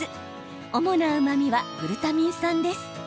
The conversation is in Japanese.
主なうまみはグルタミン酸です。